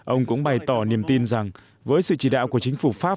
ông cũng bày tỏ niềm tin rằng với sự chỉ đạo của chính phủ pháp